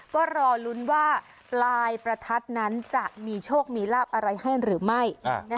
ก็รอลุ้นว่าปลายประทัดนั้นจะมีโชคมีลาบอะไรให้หรือไม่